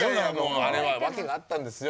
あれは訳があったんですよ。